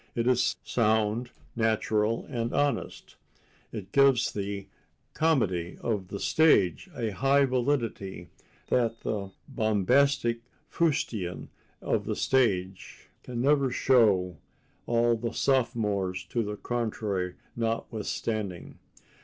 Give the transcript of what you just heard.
It is sound, natural and honest. It gives the comedy of the stage a high validity that the bombastic fustian of the stage can never show, all the sophomores to the contrary notwithstanding.